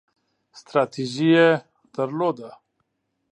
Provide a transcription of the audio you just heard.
ستراتیژي یې درلوده.